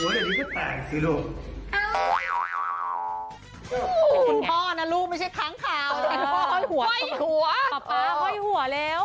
อ้าวคุณพ่อนะลูกไม่ใช่ค้างข่าวคุณพ่อไหว้หัวพ่อพ่อไหว้หัวแล้ว